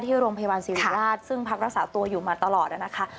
ที่โรงพยาบาลสิริราชซึ่งพักรักษาตัวอยู่มาตลอดนะคะ